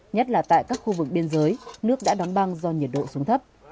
nhất là tại các khu vực biên giới nước đã đóng băng do nhiệt độ xuống thấp